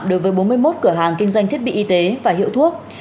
đối với bốn mươi một cửa hàng kinh doanh thiết bị y tế và hiệu thuốc